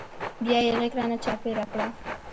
بيا يې غېږ رانه چاپېره کړه.